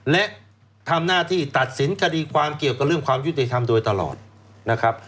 และทำหน้าที่ตัดสินคดีความเกี่ยวกับเรื่องความยุติธรรมโดยตลอดนะครับ